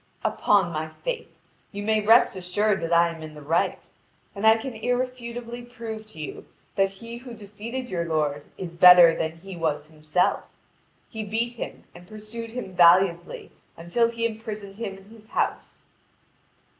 "Upon my faith, you may rest assured that I am in the right, and I can irrefutably prove to you that he who defeated your lord is better than he was himself. He beat him and pursued him valiantly until he imprisoned him in his house."